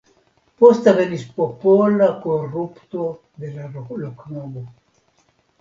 Poste venis popola korupto de la loknomo.